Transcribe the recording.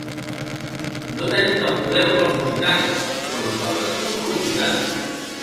No tenim cap problema amb els occitans però nosaltres no som occitans.